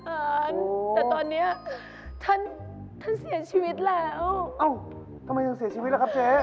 เอ้าทำไมยังเสียชีวิตแล้วครับเจ๊